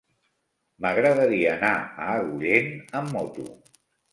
M'agradaria anar a Agullent amb moto.